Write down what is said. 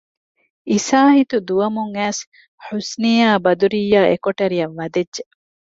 އިސާހިތު ދުވަމުން އައިސް ޙުސްނީއާއި ބަދުރިއްޔާ އެކޮޓަރިއަށް ވަދެއްޖެ